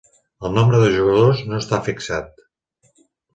El nombre de jugadors no està fixat.